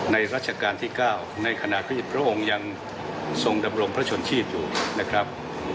รัชกาลที่๙ในขณะที่พระองค์ยังทรงดำรงพระชนชีพอยู่นะครับ